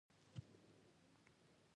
ولایتونه د خلکو د ژوند په کیفیت تاثیر کوي.